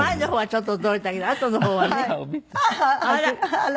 あら。